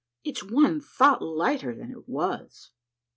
It's one thought lighter than it was